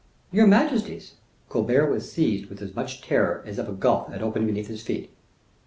"Your majesty's." Colbert was seized with as much terror as if a gulf had opened beneath his feet.